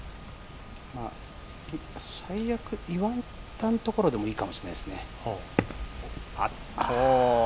最悪、岩田のところでもいいかもしれないですね。